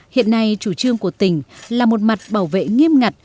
hiện nay chủ trương của tỉnh là một mặt bảo vệ nghiêm ngặt